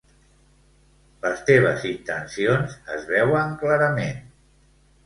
Les teves intencions es veuen clarament.